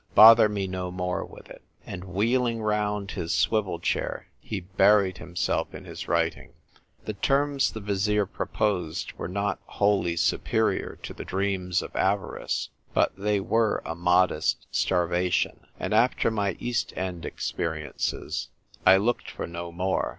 Bother me no more with it." And wheeling round his swivel chair, he buried himself in his writing. The terms the Vizier proposed were not wholly superior to the dreams of avarice ; but they were a modest starvation ; and after my East End experiences, I looked for no more.